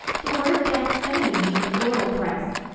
The word "Gethsemane" means "oil press."